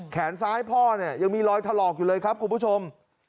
แขนซ้ายพ่อเนี่ยยังมีรอยถลอกอยู่เลยครับคุณผู้ชม